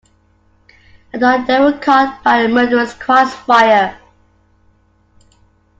At dawn they were caught by a murderous cross-fire.